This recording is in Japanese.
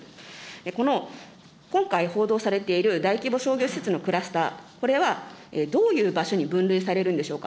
この今回報道されている大規模商業施設のクラスター、これはどういう場所に分類されるんでしょうか。